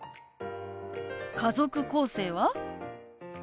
家族構成は？